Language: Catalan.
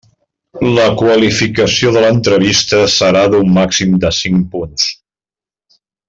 La qualificació de l'entrevista serà d'un màxim de cinc punts.